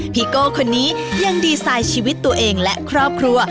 โก้คนนี้ยังดีไซน์ชีวิตตัวเองและครอบครัว